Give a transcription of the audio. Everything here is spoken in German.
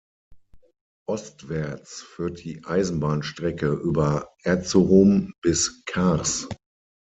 Ostwärts führt die Eisenbahnstrecke über Erzurum bis Kars.